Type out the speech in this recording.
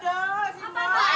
kalian siapa sih